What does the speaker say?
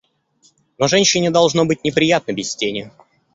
Но женщине должно быть неприятно без тени.